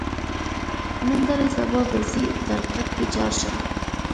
نن دلې سبا به ځې تر غږ دې جار شم.